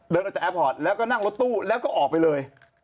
ออกจากแอร์พอร์ตแล้วก็นั่งรถตู้แล้วก็ออกไปเลย